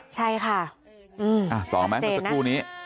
ใช่ค่ะต่อมั้ยคือครูนี้